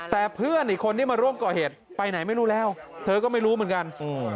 แต่เพื่อนอีกคนที่มาร่วมก่อเหตุไปไหนไม่รู้แล้วเธอก็ไม่รู้เหมือนกัน